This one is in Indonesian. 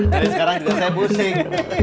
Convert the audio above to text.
jadi sekarang juga saya pusing